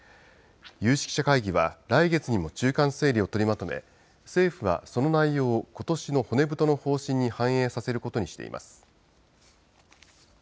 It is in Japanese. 有識者会議は来月にも中間整理を取りまとめ政府はその内容をことしの骨太の方針に反映させることにしています。